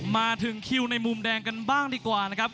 มาถึงคิวในมุมแดงกันบ้างดีกว่านะครับ